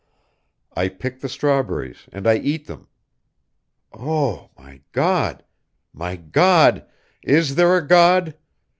I pick the strawberries and I eat them! Oh! my God! my God! Is there a God?